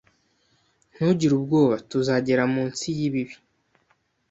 Ntugire ubwoba. Tuzagera munsi yibi